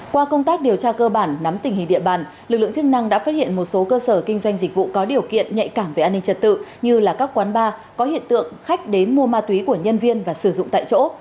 qua công tác điều tra cơ bản nắm tình hình địa bàn lực lượng chức năng đã phát hiện một số cơ sở kinh doanh dịch vụ có điều kiện nhạy cảm về an ninh trật tự như là các quán bar có hiện tượng khách đến mua ma túy của nhân viên và sử dụng tại chỗ